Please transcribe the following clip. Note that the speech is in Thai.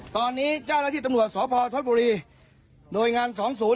ตอนนี้เจ้าหน้าที่ตำลัวสพทบุรีโดยงานสองศูนย์